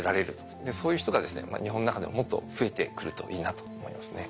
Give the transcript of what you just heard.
そういう人がですね日本の中でもっと増えてくるといいなと思いますね。